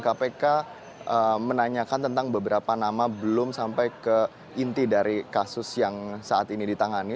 kpk menanyakan tentang beberapa nama belum sampai ke inti dari kasus yang saat ini ditangani